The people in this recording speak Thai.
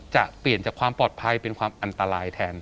จะเปลี่ยนจากความปลอดภัยเป็นความอันตรายแทน